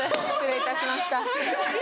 失礼いたしました。